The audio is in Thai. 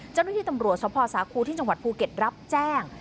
เจ้าหน้าที่ตำรวจสภสาคูที่จังหวัดภูเก็ตรับแจ้ง